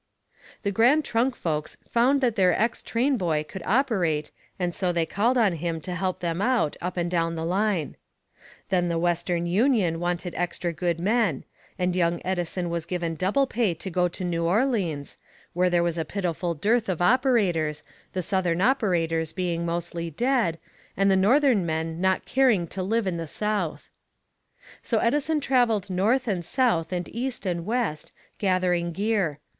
The Grand Trunk folks found that their ex trainboy could operate, and so they called on him to help them out, up and down the line. Then the Western Union wanted extra good men, and young Edison was given double pay to go to New Orleans, where there was a pitiful dearth of operators, the Southern operators being mostly dead, and Northern men not caring to live in the South. So Edison traveled North and South and East and West, gathering gear.